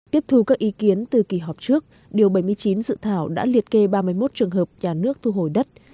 tiếp thu các ý kiến từ kỳ họp trước điều bảy mươi chín dự thảo đã liệt kê ba mươi một trường hợp nhà nước thu hồi đất